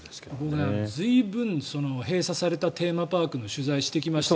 僕、随分閉鎖されたテーマパークの取材をしてきました。